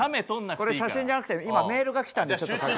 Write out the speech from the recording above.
これ写真じゃなくて今メールがきたんでちょっと確認。